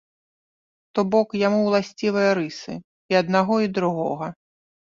То бок, яму ўласцівыя рысы і аднаго і другога.